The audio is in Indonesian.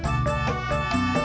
jangan saling berpada